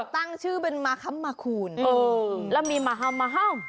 ต่างชื่อเป็นมาคำมาคูณเออแล้วมีมาห่อมมาห่อม